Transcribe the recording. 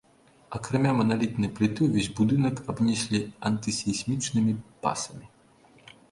Акрамя маналітнай пліты, увесь будынак абнеслі антысейсмічнымі пасамі.